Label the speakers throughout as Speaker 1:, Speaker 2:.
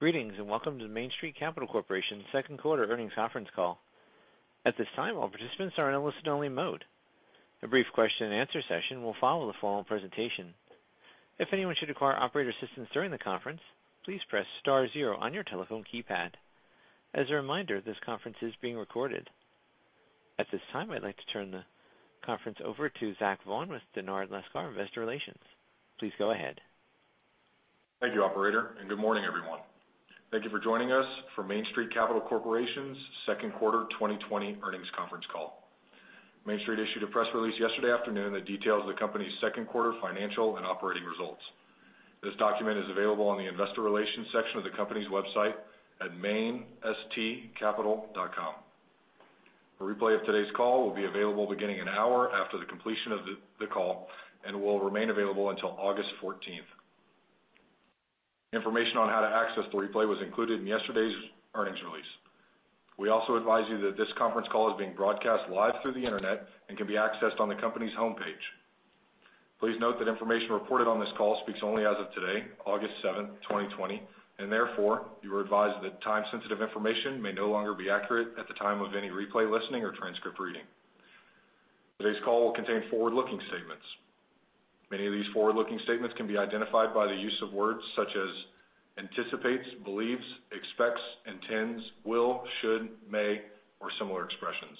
Speaker 1: Greetings, and welcome to Main Street Capital Corporation's second quarter earnings conference call. At this time, all participants are in a listen-only mode. A brief question and answer session will follow the formal presentation. If anyone should require operator assistance during the conference, please press star zero on your telephone keypad. As a reminder, this conference is being recorded. At this time, I'd like to turn the conference over to Zach Vaughan with Dennard Lascar Investor Relations. Please go ahead.
Speaker 2: Thank you, operator, and good morning, everyone. Thank you for joining us for Main Street Capital Corporation's second quarter 2020 earnings conference call. Main Street issued a press release yesterday afternoon that details the company's second-quarter financial and operating results. This document is available on the Investor Relations section of the company's website at mainstcapital.com. A replay of today's call will be available beginning an hour after the completion of the call and will remain available until August 14th. Information on how to access the replay was included in yesterday's earnings release. We also advise you that this conference call is being broadcast live through the internet and can be accessed on the company's homepage. Please note that information reported on this call speaks only as of today, August 7, 2020, and therefore, you are advised that time-sensitive information may no longer be accurate at the time of any replay, listening, or transcript reading. Today's call will contain forward-looking statements. Many of these forward-looking statements can be identified by the use of words such as anticipates, believes, expects, intends, will, should, may, or similar expressions.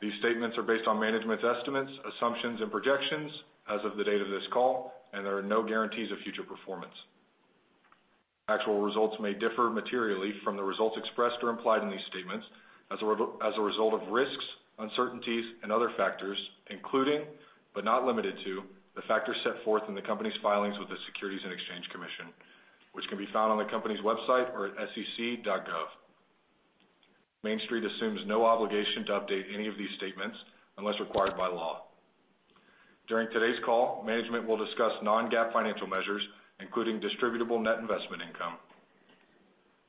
Speaker 2: These statements are based on management's estimates, assumptions and projections as of the date of this call, and there are no guarantees of future performance. Actual results may differ materially from the results expressed or implied in these statements as a result of risks, uncertainties and other factors, including, but not limited to, the factors set forth in the company's filings with the Securities and Exchange Commission, which can be found on the company's website or at sec.gov. Main Street assumes no obligation to update any of these statements unless required by law. During today's call, management will discuss non-GAAP financial measures, including distributable net investment income.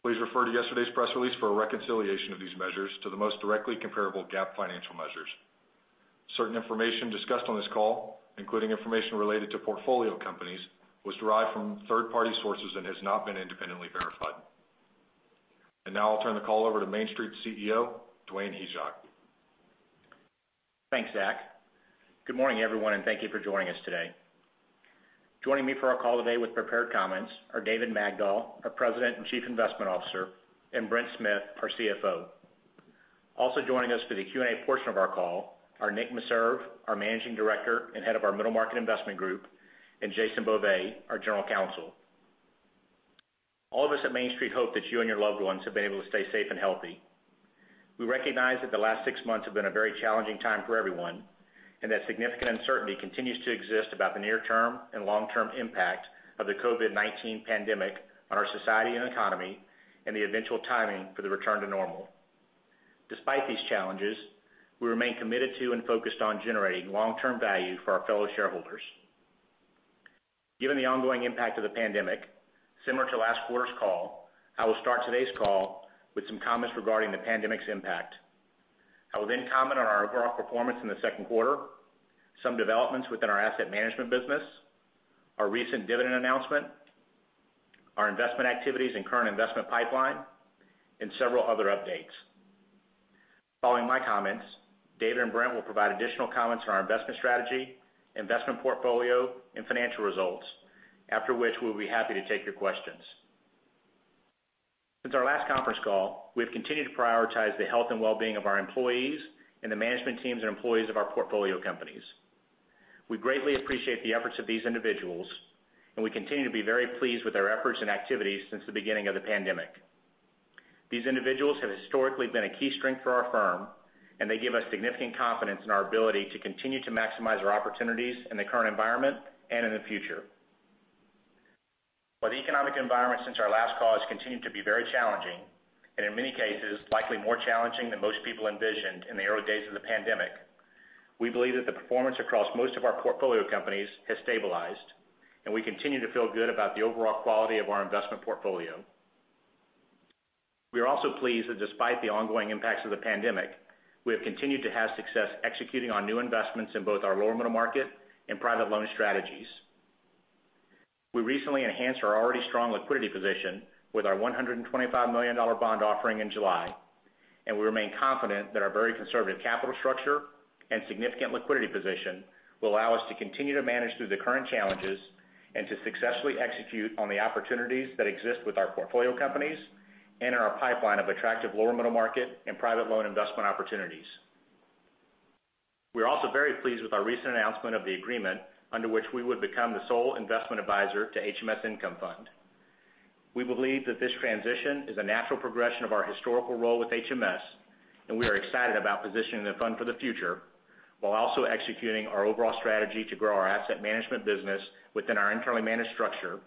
Speaker 2: Please refer to yesterday's press release for a reconciliation of these measures to the most directly comparable GAAP financial measures. Certain information discussed on this call, including information related to portfolio companies, was derived from third-party sources and has not been independently verified. Now I'll turn the call over to Main Street CEO, Dwayne Hyzak.
Speaker 3: Thanks, Zach. Good morning, everyone, and thank you for joining us today. Joining me for our call today with prepared comments are David Magdol, our President and Chief Investment Officer, and Brent Smith, our CFO. Also joining us for the Q&A portion of our call are Nick Meserve, our Managing Director and Head of our Middle Market Investment Group, and Jason Beauvais, our General Counsel. All of us at Main Street hope that you and your loved ones have been able to stay safe and healthy. We recognize that the last six months have been a very challenging time for everyone, and that significant uncertainty continues to exist about the near-term and long-term impact of the COVID-19 pandemic on our society and economy and the eventual timing for the return to normal. Despite these challenges, we remain committed to and focused on generating long-term value for our fellow shareholders. Given the ongoing impact of the pandemic, similar to last quarter's call, I will start today's call with some comments regarding the pandemic's impact. I will then comment on our overall performance in the second quarter, some developments within our asset management business, our recent dividend announcement, our investment activities and current investment pipeline, and several other updates. Following my comments, David and Brent will provide additional comments on our investment strategy, investment portfolio, and financial results. After which, we will be happy to take your questions. Since our last conference call, we have continued to prioritize the health and well-being of our employees and the management teams and employees of our portfolio companies. We greatly appreciate the efforts of these individuals, and we continue to be very pleased with their efforts and activities since the beginning of the pandemic. These individuals have historically been a key strength for our firm, and they give us significant confidence in our ability to continue to maximize our opportunities in the current environment and in the future. While the economic environment since our last call has continued to be very challenging, and in many cases, likely more challenging than most people envisioned in the early days of the pandemic, we believe that the performance across most of our portfolio companies has stabilized, and we continue to feel good about the overall quality of our investment portfolio. We are also pleased that despite the ongoing impacts of the pandemic, we have continued to have success executing on new investments in both our lower middle market and private loan strategies. We recently enhanced our already strong liquidity position with our $125 million bond offering in July, and we remain confident that our very conservative capital structure and significant liquidity position will allow us to continue to manage through the current challenges and to successfully execute on the opportunities that exist with our portfolio companies and in our pipeline of attractive lower middle market and private loan investment opportunities. We are also very pleased with our recent announcement of the agreement under which we would become the sole investment advisor to HMS Income Fund. We believe that this transition is a natural progression of our historical role with HMS, and we are excited about positioning the fund for the future while also executing our overall strategy to grow our asset management business within our internally managed structure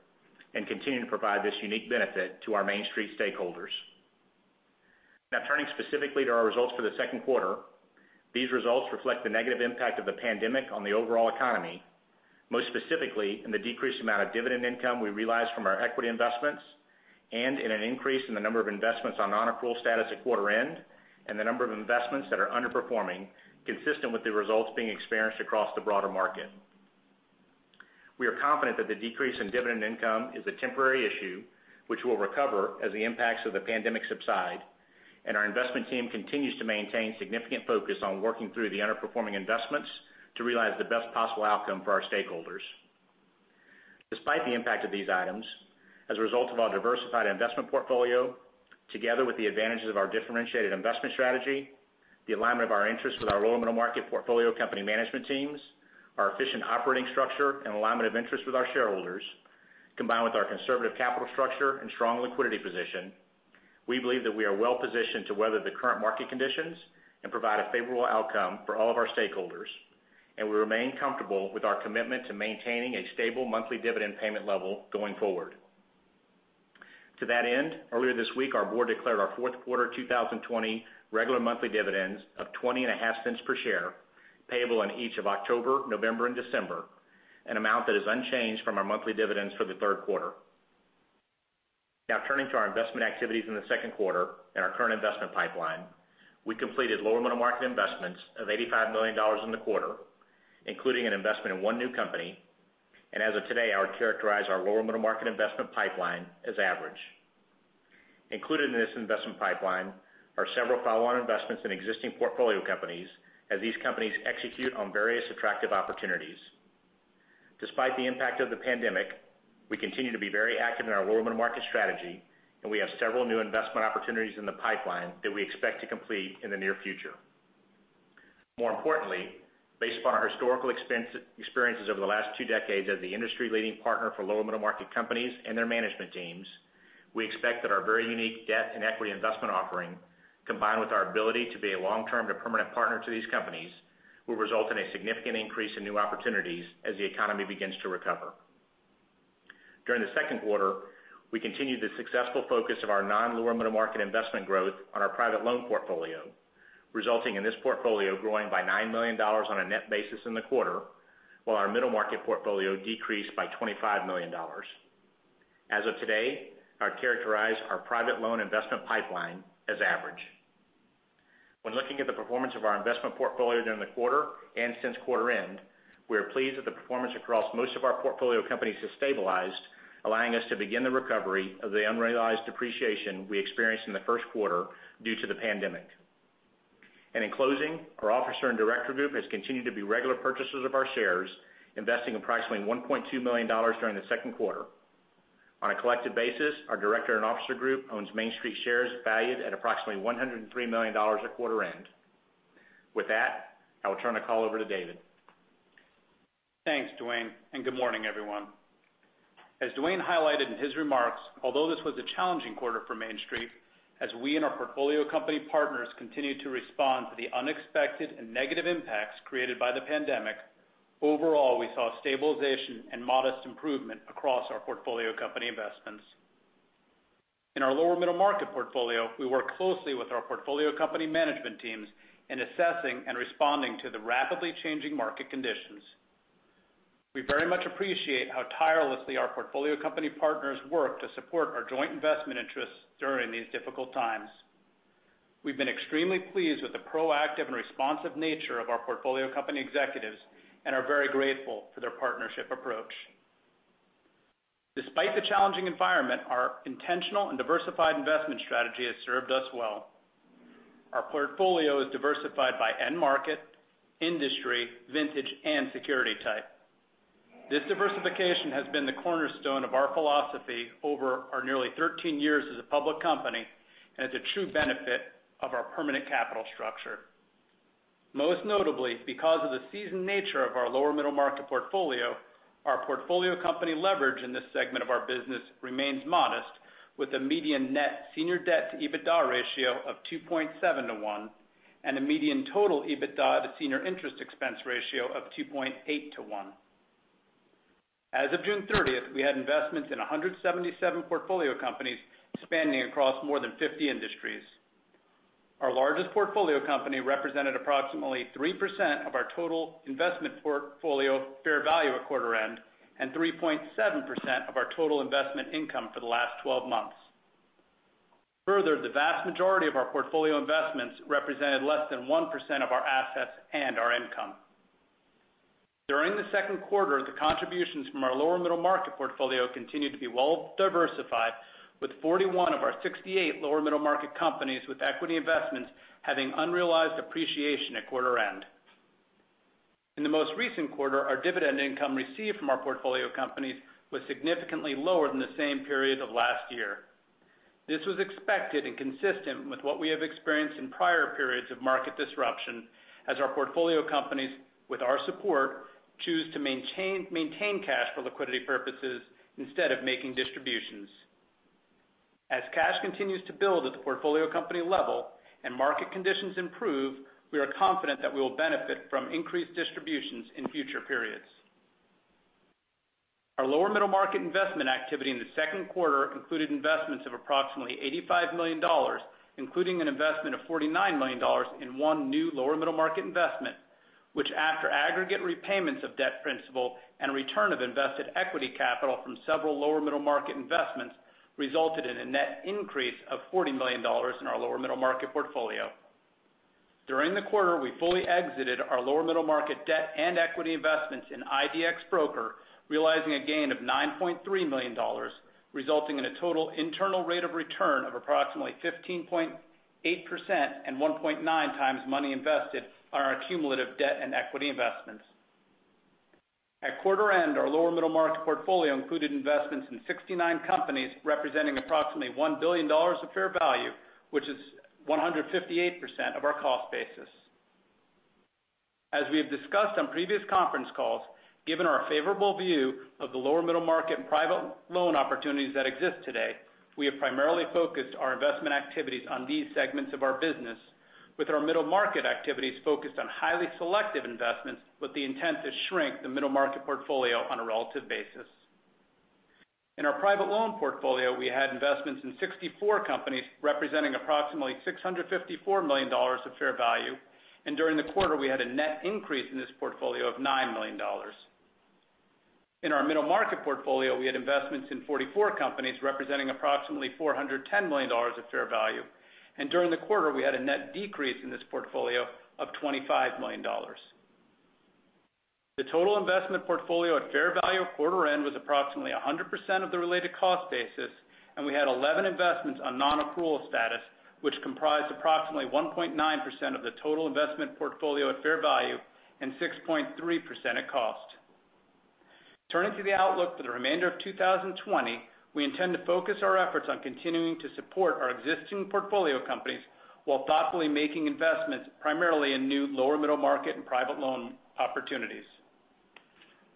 Speaker 3: and continue to provide this unique benefit to our Main Street stakeholders. Turning specifically to our results for the second quarter. These results reflect the negative impact of the pandemic on the overall economy, most specifically in the decreased amount of dividend income we realized from our equity investments and in an increase in the number of investments on non-accrual status at quarter end and the number of investments that are underperforming, consistent with the results being experienced across the broader market. We are confident that the decrease in dividend income is a temporary issue, which will recover as the impacts of the pandemic subside, and our investment team continues to maintain significant focus on working through the underperforming investments to realize the best possible outcome for our stakeholders. Despite the impact of these items, as a result of our diversified investment portfolio, together with the advantages of our differentiated investment strategy, the alignment of our interests with our lower middle market portfolio company management teams, our efficient operating structure, and alignment of interests with our shareholders, combined with our conservative capital structure and strong liquidity position, we believe that we are well positioned to weather the current market conditions and provide a favorable outcome for all of our stakeholders. We remain comfortable with our commitment to maintaining a stable monthly dividend payment level going forward. To that end, earlier this week, our board declared our fourth quarter 2020 regular monthly dividends of $0.205 per share, payable in each of October, November, and December, an amount that is unchanged from our monthly dividends for the third quarter. Turning to our investment activities in the second quarter and our current investment pipeline. We completed lower middle market investments of $85 million in the quarter, including an investment in one new company. As of today, I would characterize our lower middle market investment pipeline as average. Included in this investment pipeline are several follow-on investments in existing portfolio companies as these companies execute on various attractive opportunities. Despite the impact of the pandemic, we continue to be very active in our lower middle market strategy, and we have several new investment opportunities in the pipeline that we expect to complete in the near future. More importantly, based upon our historical experiences over the last two decades as the industry-leading partner for lower middle market companies and their management teams, we expect that our very unique debt and equity investment offering, combined with our ability to be a long-term to permanent partner to these companies, will result in a significant increase in new opportunities as the economy begins to recover. During the second quarter, we continued the successful focus of our non-lower middle market investment growth on our private loan portfolio, resulting in this portfolio growing by $9 million on a net basis in the quarter, while our middle market portfolio decreased by $25 million. As of today, I characterize our private loan investment pipeline as average. When looking at the performance of our investment portfolio during the quarter and since quarter end, we are pleased that the performance across most of our portfolio companies has stabilized, allowing us to begin the recovery of the unrealized depreciation we experienced in the first quarter due to the pandemic. In closing, our Officer and Director group has continued to be regular purchasers of our shares, investing approximately $1.2 million during the second quarter. On a collective basis, our Director and Officer group owns Main Street shares valued at approximately $103 million at quarter end. With that, I will turn the call over to David.
Speaker 4: Thanks, Dwayne. Good morning, everyone. As Dwayne highlighted in his remarks, although this was a challenging quarter for Main Street, as we and our portfolio company partners continue to respond to the unexpected and negative impacts created by the pandemic, overall, we saw stabilization and modest improvement across our portfolio company investments. In our lower middle market portfolio, we work closely with our portfolio company management teams in assessing and responding to the rapidly changing market conditions. We very much appreciate how tirelessly our portfolio company partners work to support our joint investment interests during these difficult times. We've been extremely pleased with the proactive and responsive nature of our portfolio company executives and are very grateful for their partnership approach. Despite the challenging environment, our intentional and diversified investment strategy has served us well. Our portfolio is diversified by end market, industry, vintage, and security type. This diversification has been the cornerstone of our philosophy over our nearly 13 years as a public company and is a true benefit of our permanent capital structure. Most notably, because of the seasoned nature of our lower middle market portfolio, our portfolio company leverage in this segment of our business remains modest, with a median net senior debt to EBITDA ratio of 2.7:1, and a median total EBITDA to senior interest expense ratio of 2.8:1. As of June 30th, we had investments in 177 portfolio companies spanning across more than 50 industries. Our largest portfolio company represented approximately 3% of our total investment portfolio fair value at quarter end and 3.7% of our total investment income for the last 12 months. Further, the vast majority of our portfolio investments represented less than 1% of our assets and our income. During the second quarter, the contributions from our lower middle market portfolio continued to be well diversified, with 41 of our 68 lower middle market companies with equity investments having unrealized appreciation at quarter end. In the most recent quarter, our dividend income received from our portfolio companies was significantly lower than the same period of last year. This was expected and consistent with what we have experienced in prior periods of market disruption as our portfolio companies, with our support, choose to maintain cash for liquidity purposes instead of making distributions. As cash continues to build at the portfolio company level and market conditions improve, we are confident that we will benefit from increased distributions in future periods. Our lower middle market investment activity in the second quarter included investments of approximately $85 million, including an investment of $49 million in one new lower middle market investment, which after aggregate repayments of debt principal and return of invested equity capital from several lower middle market investments, resulted in a net increase of $40 million in our lower middle market portfolio. During the quarter, we fully exited our lower middle market debt and equity investments in IDX Broker, realizing a gain of $9.3 million, resulting in a total internal rate of return of approximately 15.8% and 1.9 times money invested on our cumulative debt and equity investments. At quarter end, our lower middle market portfolio included investments in 69 companies, representing approximately $1 billion of fair value, which is 158% of our cost basis. As we have discussed on previous conference calls, given our favorable view of the lower middle market and private loan opportunities that exist today, we have primarily focused our investment activities on these segments of our business with our middle market activities focused on highly selective investments with the intent to shrink the middle market portfolio on a relative basis. In our private loan portfolio, we had investments in 64 companies, representing approximately $654 million of fair value. During the quarter, we had a net increase in this portfolio of $9 million. In our middle market portfolio, we had investments in 44 companies, representing approximately $410 million of fair value. During the quarter, we had a net decrease in this portfolio of $25 million. The total investment portfolio at fair value at quarter end was approximately 100% of the related cost basis, and we had 11 investments on non-accrual status, which comprised approximately 1.9% of the total investment portfolio at fair value and 6.3% at cost. Turning to the outlook for the remainder of 2020, we intend to focus our efforts on continuing to support our existing portfolio companies while thoughtfully making investments primarily in new lower middle market and private loan opportunities.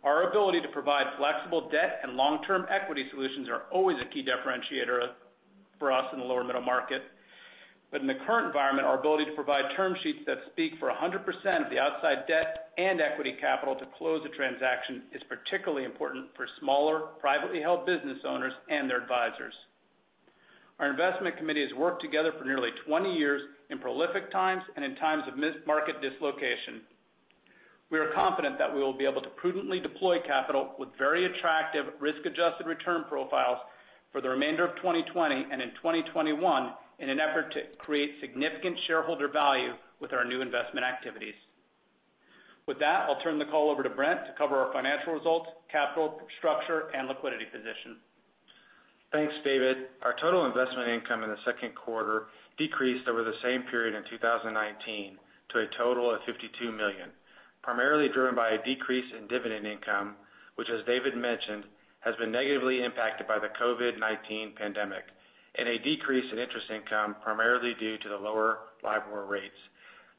Speaker 4: Our ability to provide flexible debt and long-term equity solutions are always a key differentiator for us in the lower middle market. In the current environment, our ability to provide term sheets that speak for 100% of the outside debt and equity capital to close a transaction is particularly important for smaller, privately held business owners and their advisors. Our investment committee has worked together for nearly 20 years in prolific times and in times of missed market dislocation. We are confident that we will be able to prudently deploy capital with very attractive risk-adjusted return profiles for the remainder of 2020 and in 2021 in an effort to create significant shareholder value with our new investment activities. With that, I'll turn the call over to Brent to cover our financial results, capital structure, and liquidity position.
Speaker 5: Thanks, David. Our total investment income in the second quarter decreased over the same period in 2019 to a total of $52 million, primarily driven by a decrease in dividend income, which, as David mentioned, has been negatively impacted by the COVID-19 pandemic, and a decrease in interest income primarily due to the lower LIBOR rates.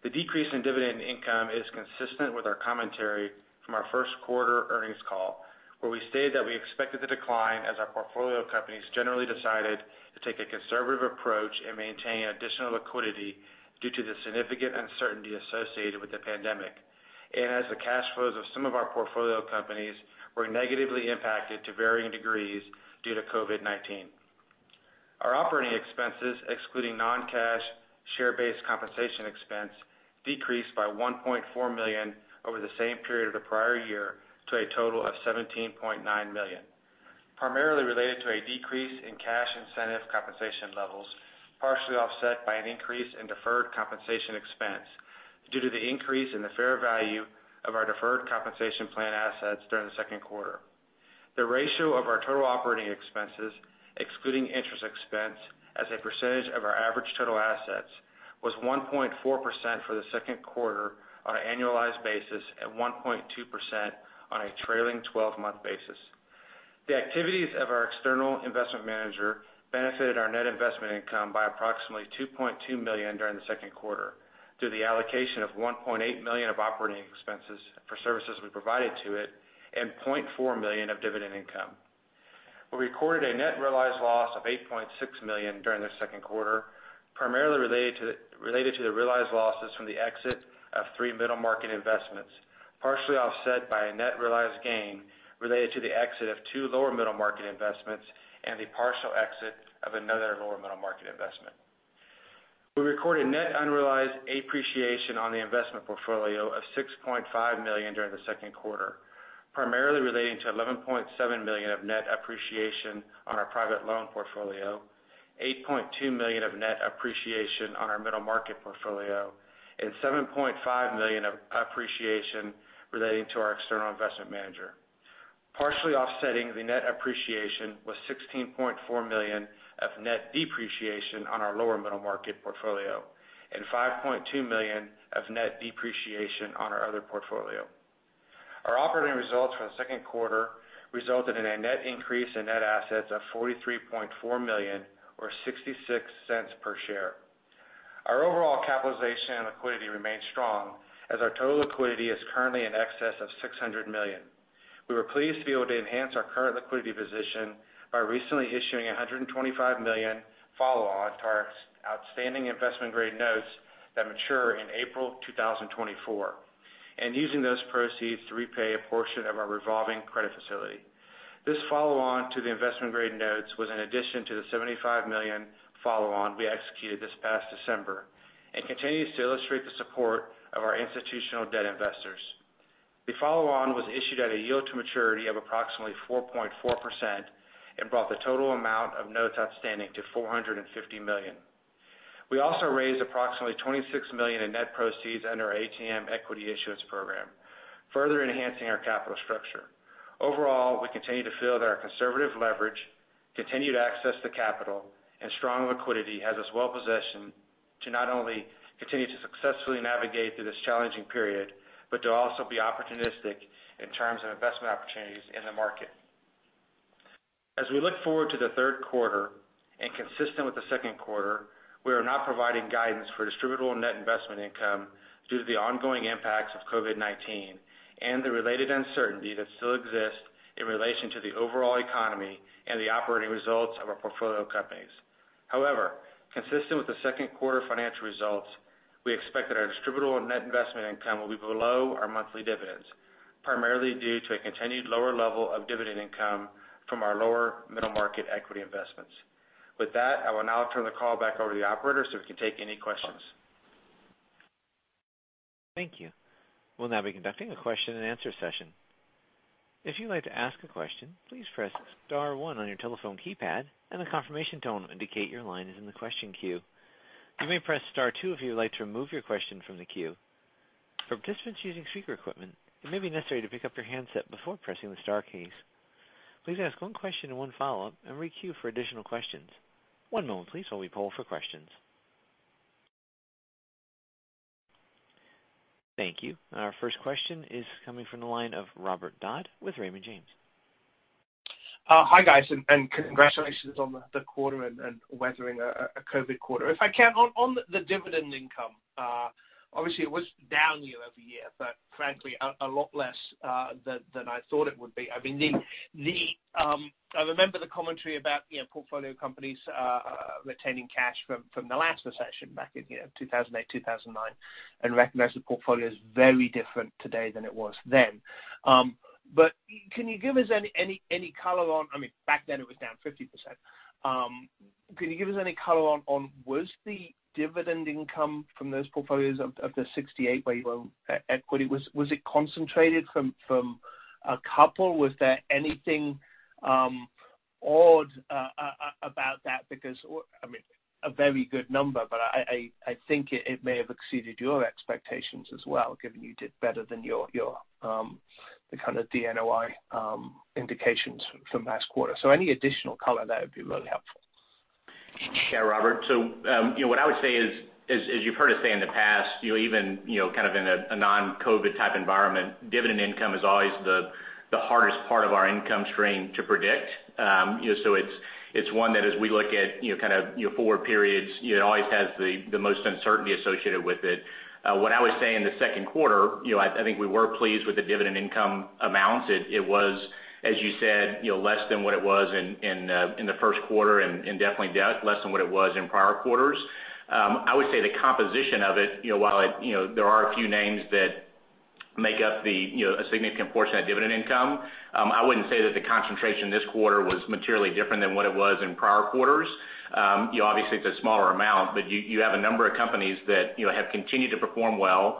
Speaker 5: The decrease in dividend income is consistent with our commentary from our first quarter earnings call, where we stated that we expected the decline as our portfolio companies generally decided to take a conservative approach in maintaining additional liquidity due to the significant uncertainty associated with the pandemic. As the cash flows of some of our portfolio companies were negatively impacted to varying degrees due to COVID-19. Our operating expenses, excluding non-cash share-based compensation expense, decreased by $1.4 million over the same period of the prior year to a total of $17.9 million, primarily related to a decrease in cash incentive compensation levels, partially offset by an increase in deferred compensation expense due to the increase in the fair value of our deferred compensation plan assets during the second quarter. The ratio of our total operating expenses, excluding interest expense, as a percentage of our average total assets, was 1.4% for the second quarter on an annualized basis and 1.2% on a trailing 12-month basis. The activities of our external investment manager benefited our net investment income by approximately $2.2 million during the second quarter through the allocation of $1.8 million of operating expenses for services we provided to it and $0.4 million of dividend income. We recorded a net realized loss of $8.6 million during the second quarter, primarily related to the realized losses from the exit of three middle market investments, partially offset by a net realized gain related to the exit of two lower middle market investments and the partial exit of another lower middle market investment. We recorded net unrealized appreciation on the investment portfolio of $6.5 million during the second quarter, primarily relating to $11.7 million of net appreciation on our private loan portfolio, $8.2 million of net appreciation on our middle market portfolio, and $7.5 million of appreciation relating to our external investment manager. Partially offsetting the net appreciation was $16.4 million of net depreciation on our lower middle market portfolio and $5.2 million of net depreciation on our other portfolio. Our operating results for the second quarter resulted in a net increase in net assets of $43.4 million or $0.66 per share. Our overall capitalization and liquidity remains strong as our total liquidity is currently in excess of $600 million. We were pleased to be able to enhance our current liquidity position by recently issuing $125 million follow-on to our outstanding investment-grade notes that mature in April 2024 and using those proceeds to repay a portion of our revolving credit facility. This follow-on to the investment-grade notes was an addition to the $75 million follow-on we executed this past December and continues to illustrate the support of our institutional debt investors. The follow-on was issued at a yield to maturity of approximately 4.4% and brought the total amount of notes outstanding to $450 million. We also raised approximately $26 million in net proceeds under our ATM equity issuance program, further enhancing our capital structure. Overall, we continue to feel that our conservative leverage, continued access to capital, and strong liquidity has us well-positioned to not only continue to successfully navigate through this challenging period, but to also be opportunistic in terms of investment opportunities in the market. As we look forward to the third quarter, and consistent with the second quarter, we are not providing guidance for distributable net investment income due to the ongoing impacts of COVID-19 and the related uncertainty that still exists in relation to the overall economy and the operating results of our portfolio companies. Consistent with the second quarter financial results, we expect that our distributable net investment income will be below our monthly dividends, primarily due to a continued lower level of dividend income from our lower middle-market equity investments. With that, I will now turn the call back over to the operator so we can take any questions.
Speaker 1: Thank you. We'll now have a question and answer session. If you'd like to ask a question, please press star one on your telephone keypad, and a confirmation tone will indicate your line is in the question queue. You may press star two if you'd like to remove your question from the queue. For participants using speaker equipment, you may need to pick up your handset before pressing the star key. Please ask one question and one follow-up, and re-queue for additional questions. One moment, please, while we poll for questions. Our first question is coming from the line of Robert Dodd with Raymond James.
Speaker 6: Hi, guys, and congratulations on the quarter and weathering a COVID-19 quarter. On the dividend income, obviously it was down year-over-year, but frankly, a lot less than I thought it would be. I remember the commentary about portfolio companies retaining cash from the last recession back in 2008, 2009, and recognize the portfolio is very different today than it was then. Can you give us any color on, back then it was down 50%. Can you give us any color on, was the dividend income from those portfolios of the 68 where you own equity, was it concentrated from a couple? Was there anything odd about that? A very good number, but I think it may have exceeded your expectations as well, given you did better than your kind of DNOI indications from last quarter. Any additional color there would be really helpful.
Speaker 3: Yeah, Robert. What I would say is, as you've heard us say in the past, even in a non-COVID type environment, dividend income is always the hardest part of our income stream to predict. It's one that as we look at forward periods, it always has the most uncertainty associated with it. What I would say in the second quarter, I think we were pleased with the dividend income amount. It was, as you said, less than what it was in the first quarter and definitely less than what it was in prior quarters. I would say the composition of it, while there are a few names that make up a significant portion of dividend income, I wouldn't say that the concentration this quarter was materially different than what it was in prior quarters. Obviously, it's a smaller amount, but you have a number of companies that have continued to perform well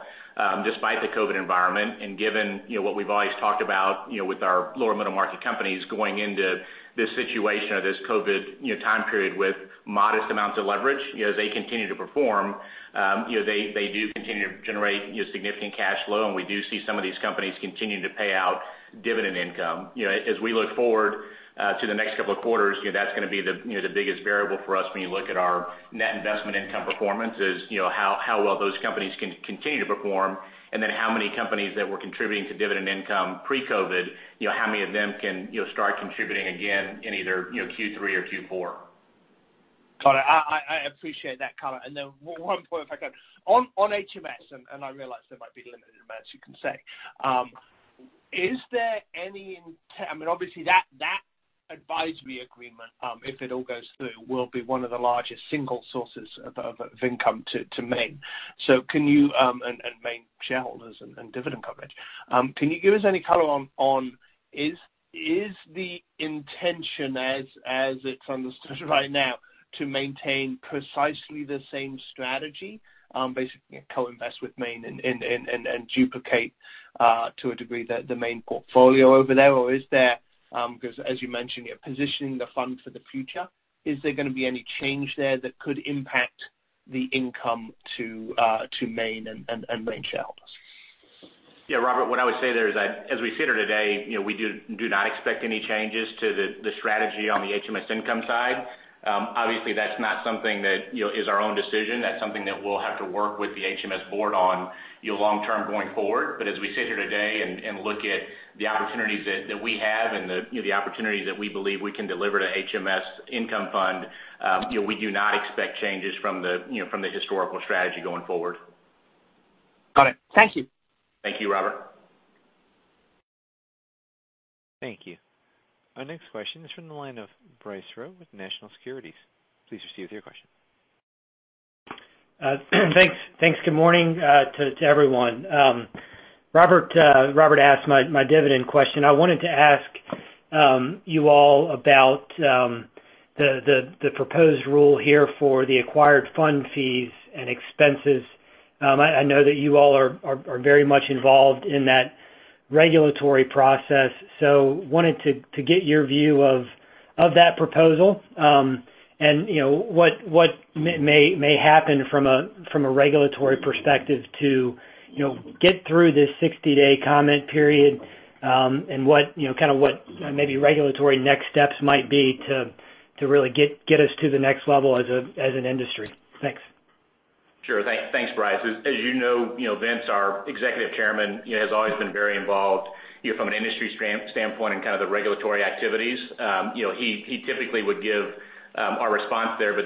Speaker 3: despite the COVID environment. Given what we've always talked about with our lower middle-market companies going into this situation or this COVID time period with modest amounts of leverage, as they continue to perform, they do continue to generate significant cash flow, and we do see some of these companies continue to pay out dividend income. As we look forward to the next couple of quarters, that's going to be the biggest variable for us when you look at our net investment income performance is, how well those companies can continue to perform, and then how many companies that were contributing to dividend income pre-COVID, how many of them can start contributing again in either Q3 or Q4.
Speaker 6: Got it. I appreciate that color. Then one point if I could. On HMS, I realize there might be limited amounts you can say. Obviously, that advisory agreement, if it all goes through, will be one of the largest single sources of income to Main, and Main shareholders and dividend coverage. Can you give us any color on, is the intention as it's understood right now, to maintain precisely the same strategy, basically co-invest with Main and duplicate, to a degree, the Main portfolio over there, or because as you mentioned, you're positioning the fund for the future, is there going to be any change there that could impact the income to Main and Main shareholders?
Speaker 3: Yeah, Robert, what I would say there is that as we sit here today, we do not expect any changes to the strategy on the HMS Income side. Obviously, that's not something that is our own decision. That's something that we'll have to work with the HMS Board on long term going forward. As we sit here today and look at the opportunities that we have and the opportunities that we believe we can deliver to HMS Income Fund, we do not expect changes from the historical strategy going forward.
Speaker 6: Got it. Thank you.
Speaker 3: Thank you, Robert.
Speaker 1: Thank you. Our next question is from the line of Bryce Rowe with National Securities. Please proceed with your question.
Speaker 7: Thanks. Good morning to everyone. Robert asked my dividend question. I wanted to ask you all about the proposed rule here for the acquired fund fees and expenses. I know that you all are very much involved in that regulatory process. Wanted to get your view of that proposal. What may happen from a regulatory perspective to get through this 60-day comment period. What maybe regulatory next steps might be to really get us to the next level as an industry. Thanks.
Speaker 3: Sure. Thanks, Bryce. As you know, Vince, our Executive Chairman has always been very involved from an industry standpoint and the regulatory activities.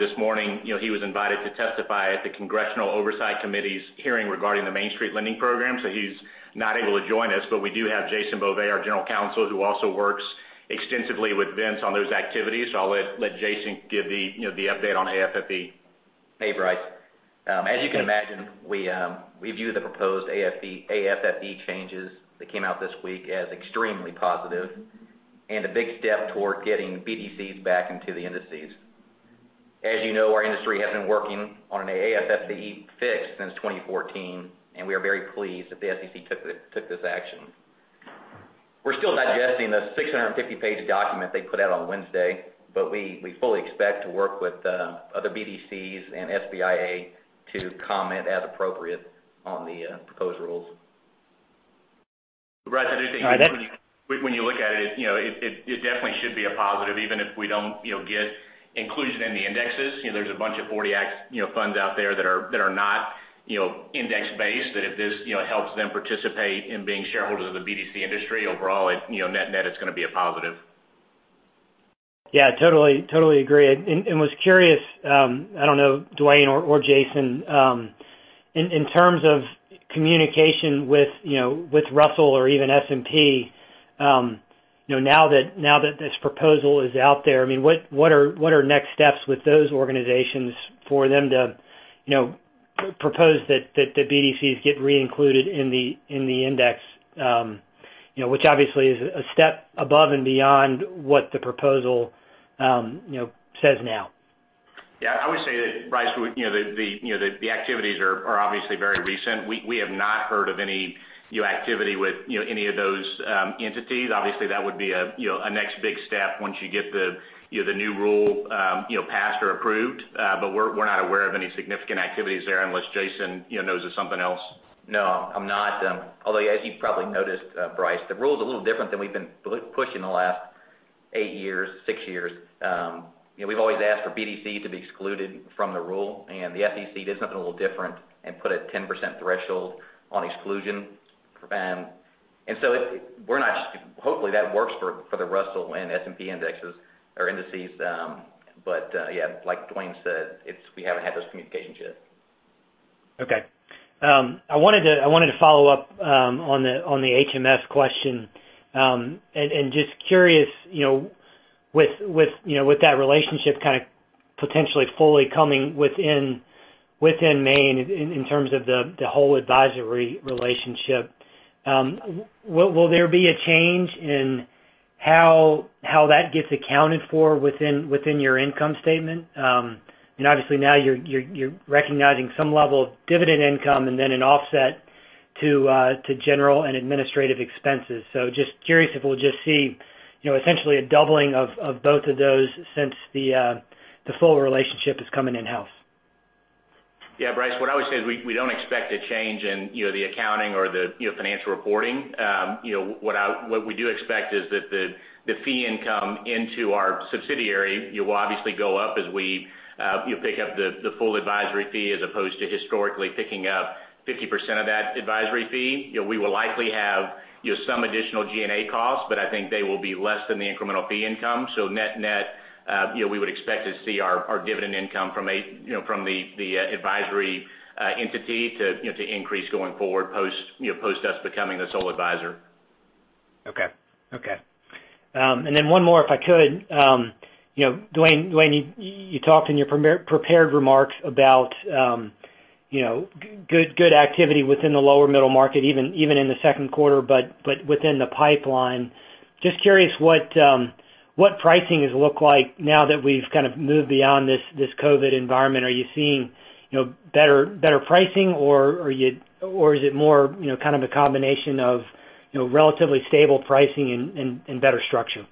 Speaker 3: This morning, he was invited to testify at the Congressional Oversight Commission's hearing regarding the Main Street Lending Program. He's not able to join us, we do have Jason Beauvais, our General Counsel, who also works extensively with Vince on those activities. I'll let Jason give the update on AFFE.
Speaker 8: Hey, Bryce. As you can imagine, we view the proposed AFFE changes that came out this week as extremely positive and a big step toward getting BDCs back into the indices. As you know, our industry has been working on an AFFE fix since 2014, and we are very pleased that the SEC took this action. We're still digesting the 650-page document they put out on Wednesday, but we fully expect to work with other BDCs and SBIA to comment as appropriate on the proposed rules.
Speaker 3: Bryce, I just think when you look at it definitely should be a positive, even if we don't get inclusion in the indexes. There's a bunch of 40 Act funds out there that are not index-based, that if this helps them participate in being shareholders of the BDC industry overall, net, it's going to be a positive.
Speaker 7: Yeah, totally agree. Was curious, I don't know, Dwayne or Jason, in terms of communication with Russell or even S&P, now that this proposal is out there, what are next steps with those organizations for them to propose that the BDCs get re-included in the index which obviously is a step above and beyond what the proposal says now?
Speaker 3: Yeah. I would say that, Bryce, the activities are obviously very recent. We have not heard of any activity with any of those entities. Obviously, that would be a next big step once you get the new rule passed or approved. We're not aware of any significant activities there unless Jason knows of something else.
Speaker 8: No, I'm not. Although, as you probably noticed, Bryce, the rule is a little different than we've been pushing the last eight years, six years. We've always asked for BDCs to be excluded from the rule, and the SEC did something a little different and put a 10% threshold on exclusion. Hopefully, that works for the Russell and S&P indexes or indices. Yeah, like Dwayne said, we haven't had those communications yet.
Speaker 7: Okay. I wanted to follow up on the HMS question. Just curious, with that relationship kind of potentially fully coming within Main in terms of the whole advisory relationship, will there be a change in how that gets accounted for within your income statement? Obviously, now you're recognizing some level of dividend income and then an offset to general and administrative expenses. Just curious if we'll just see essentially a doubling of both of those since the full relationship is coming in-house.
Speaker 3: Yeah, Bryce, what I would say is we don't expect a change in the accounting or the financial reporting. What we do expect is that the fee income into our subsidiary will obviously go up as we pick up the full advisory fee as opposed to historically picking up 50% of that advisory fee. We will likely have some additional G&A costs, but I think they will be less than the incremental fee income. Net, we would expect to see our dividend income from the advisory entity to increase going forward post us becoming the sole advisor.
Speaker 7: Okay. One more, if I could. Dwayne, you talked in your prepared remarks about good activity within the lower middle market, even in the second quarter, but within the pipeline. Just curious what pricing has looked like now that we've kind of moved beyond this COVID-19 environment. Are you seeing better pricing, or is it more kind of a combination of relatively stable pricing and better structure?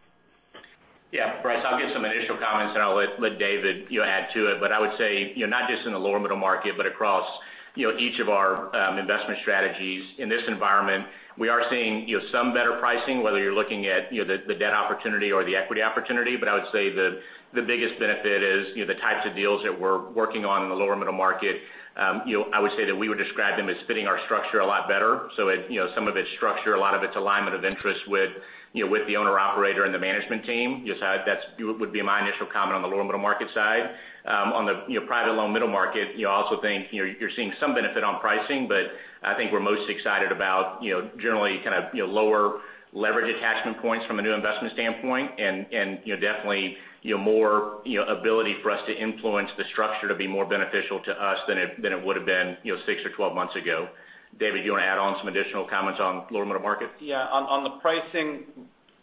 Speaker 3: Yeah, Bryce, I'll give some initial comments, and I'll let David add to it. I would say, not just in the lower middle market, but across each of our investment strategies in this environment, we are seeing some better pricing, whether you're looking at the debt opportunity or the equity opportunity. I would say the biggest benefit is the types of deals that we're working on in the lower middle market. I would say that we would describe them as fitting our structure a lot better. Some of its structure, a lot of its alignment of interest with the owner/operator and the management team. That would be my initial comment on the lower middle market side. On the private loan middle market, I also think you're seeing some benefit on pricing, but I think we're most excited about generally kind of lower leverage attachment points from a new investment standpoint and definitely more ability for us to influence the structure to be more beneficial to us than it would've been six or 12 months ago. David, do you want to add on some additional comments on lower middle market?
Speaker 4: Yeah. On the pricing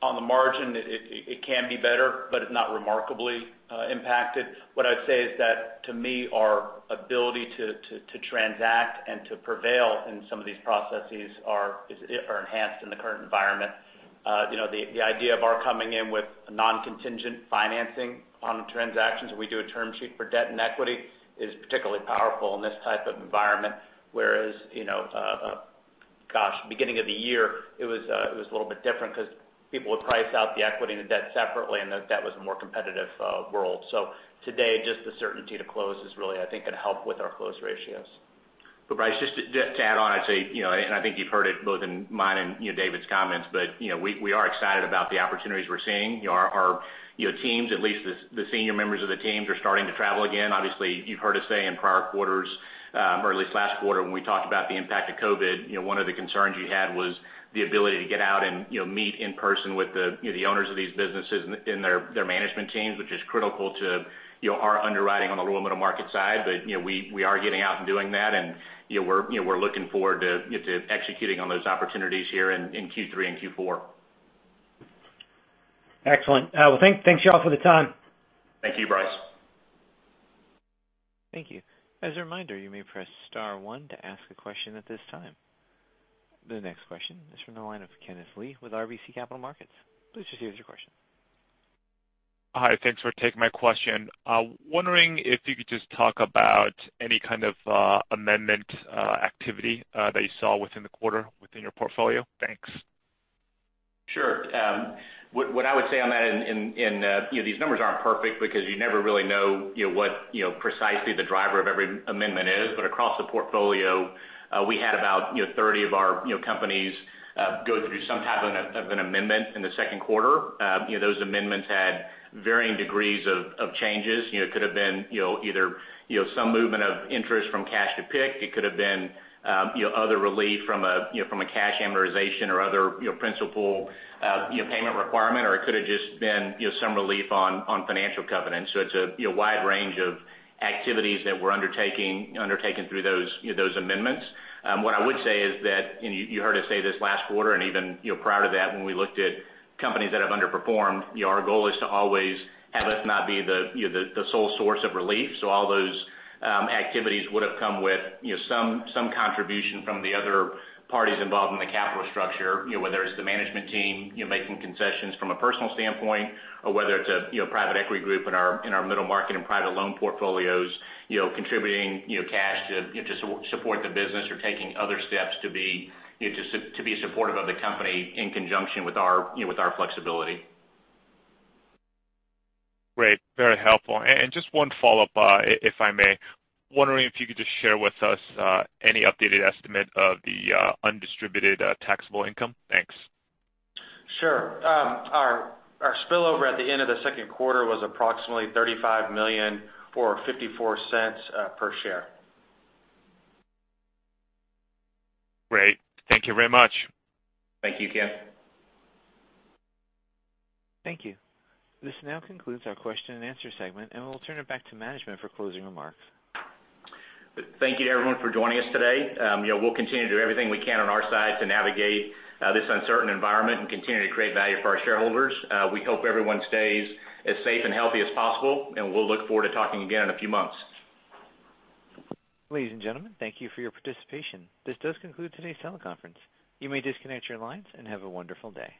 Speaker 4: On the margin, it can be better, but it's not remarkably impacted. What I'd say is that, to me, our ability to transact and to prevail in some of these processes are enhanced in the current environment. The idea of our coming in with non-contingent financing on transactions, where we do a term sheet for debt and equity, is particularly powerful in this type of environment. Gosh, beginning of the year, it was a little bit different because people would price out the equity and the debt separately, and that was a more competitive world. Today, just the certainty to close is really, I think, going to help with our close ratios.
Speaker 3: Bryce, just to add on, I'd say, and I think you've heard it both in mine and David's comments, but we are excited about the opportunities we're seeing. Our teams, at least the senior members of the teams, are starting to travel again. Obviously, you've heard us say in prior quarters, or at least last quarter, when we talked about the impact of COVID-19, one of the concerns you had was the ability to get out and meet in person with the owners of these businesses and their management teams, which is critical to our underwriting on the lower middle market side. We are getting out and doing that, and we're looking forward to executing on those opportunities here in Q3 and Q4.
Speaker 7: Excellent. Well, thanks y'all for the time.
Speaker 3: Thank you, Bryce.
Speaker 1: Thank you. As a reminder, you may press star one to ask a question at this time. The next question is from the line of Kenneth Lee with RBC Capital Markets. Please proceed with your question.
Speaker 9: Hi, thanks for taking my question. Wondering if you could just talk about any kind of amendment activity that you saw within the quarter within your portfolio? Thanks.
Speaker 3: Sure. What I would say on that, these numbers aren't perfect because you never really know what precisely the driver of every amendment is. Across the portfolio, we had about 30 of our companies go through some type of an amendment in the second quarter. Those amendments had varying degrees of changes. It could have been either some movement of interest from cash to pick. It could have been other relief from a cash amortization or other principal payment requirement, or it could have just been some relief on financial covenants. It's a wide range of activities that we're undertaking through those amendments. What I would say is that, and you heard us say this last quarter and even prior to that when we looked at companies that have underperformed, our goal is to always have us not be the sole source of relief. All those activities would've come with some contribution from the other parties involved in the capital structure, whether it's the management team making concessions from a personal standpoint or whether it's a private equity group in our middle market and private loan portfolios contributing cash to support the business or taking other steps to be supportive of the company in conjunction with our flexibility.
Speaker 9: Great. Very helpful. Just one follow-up, if I may. Wondering if you could just share with us any updated estimate of the undistributed taxable income. Thanks.
Speaker 3: Sure. Our spillover at the end of the second quarter was approximately $35 million or $0.54 per share.
Speaker 9: Great. Thank you very much.
Speaker 3: Thank you, Ken.
Speaker 1: Thank you. This now concludes our question and answer segment. We'll turn it back to management for closing remarks.
Speaker 3: Thank you to everyone for joining us today. We'll continue to do everything we can on our side to navigate this uncertain environment and continue to create value for our shareholders. We hope everyone stays as safe and healthy as possible, and we'll look forward to talking again in a few months.
Speaker 1: Ladies and gentlemen, thank you for your participation. This does conclude today's teleconference. You may disconnect your lines, and have a wonderful day.